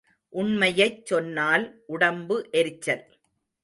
உண்மையைச் சொன்னால் உடம்பு எரிச்சல்.